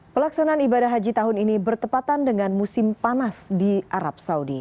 pelaksanaan ibadah haji tahun ini bertepatan dengan musim panas di arab saudi